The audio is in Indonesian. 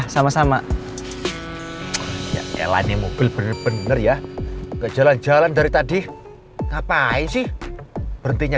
sama sama ya lainnya mobil bener bener ya ke jalan jalan dari tadi ngapain sih berhentinya